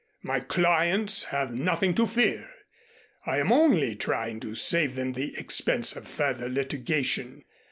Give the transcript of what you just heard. My clients have nothing to fear. I am only trying to save them the expense of further litigation.